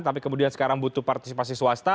tapi kemudian sekarang butuh partisipasi swasta